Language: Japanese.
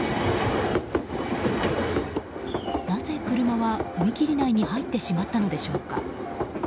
なぜ車は、踏切内に入ってしまったのでしょうか。